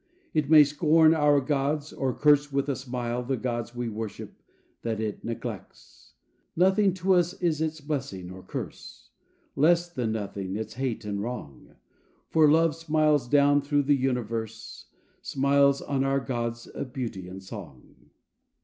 It may scorn our gods, or curse with a smile, The gods we worship, that it neglects: Nothing to us is its blessing or curse; Less than nothing its hate and wrong: For Love smiles down through the universe Smiles on our gods of Beauty and Song.